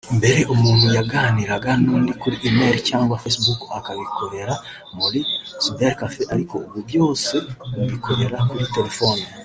mbere umuntu yaganiraga n’undi kuri email cyangwa Facebook akabikorera muri cybercafé ariko ubu byose babikorera kuri telefone